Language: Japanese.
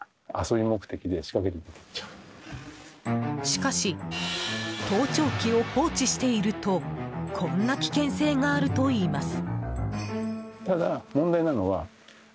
しかし盗聴器を放置しているとこんな危険性があるといいます。